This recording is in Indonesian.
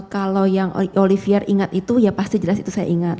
kalau yang olivier ingat itu ya pasti jelas itu saya ingat